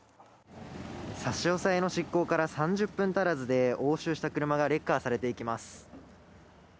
差し押さえの執行から３０分足らずで、押収した車がレッカーされていきます。